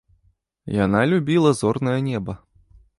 Яна любіла зорнае неба!